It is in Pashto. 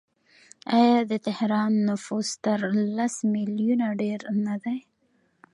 آیا د تهران نفوس تر لس میلیونه ډیر نه دی؟